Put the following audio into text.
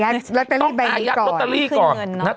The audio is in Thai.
ต้องอายัดล็อตเตอรี่ก่อน